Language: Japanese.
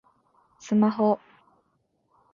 スマホ